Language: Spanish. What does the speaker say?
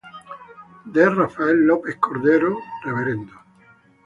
D. Rafael López Cordero, Rvdo.